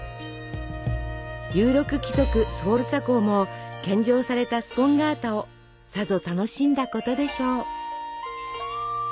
有力貴族スフォルツァ公も献上されたスポンガータをさぞ楽しんだことでしょう。